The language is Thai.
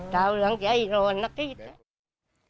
เจ้าอย่างเจ๊หลวนตะกี้เจ๊